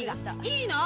いいの？